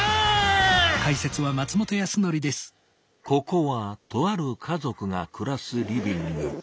ここはとある家族がくらすリビング。